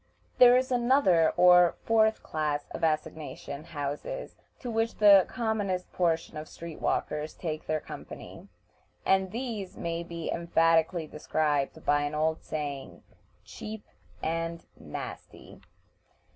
There is another or fourth class of assignation houses to which the commonest portion of street walkers take their company, and these may be emphatically described by an old saying, "Cheap and nasty."